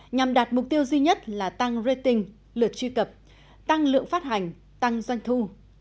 nhằm đạt mục tiêu duy nhất là tăng rating lượt truy cập tăng lượng phát hành tăng doanh thu